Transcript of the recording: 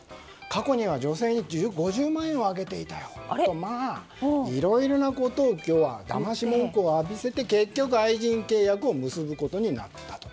過去には女性に月５０万円をあげていたよといろいろなことをだまし文句を浴びせて結局、愛人契約を結ぶことになったと。